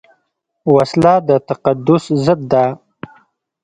وسله د تقدس ضد ده